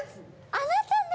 あなたね。